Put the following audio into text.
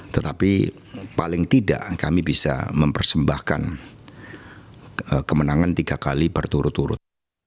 tetapi paling tidak kami bisa mempersembahkan kemenangan tiga kali berturut turut